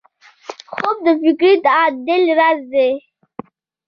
خوب د فکري تعادل راز دی